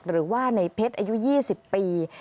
หรือว่าในเพชรอายุ๒๐ปี